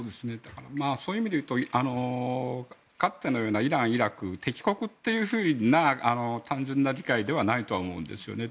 そういう意味で言うとかつてのようなイラン、イラクが敵国という単純な理解ではないと思うんですよね。